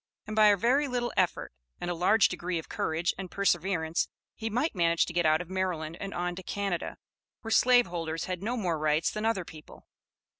and by a very little effort and a large degree of courage and perseverance he might manage to get out of Maryland and on to Canada, where slave holders had no more rights than other people.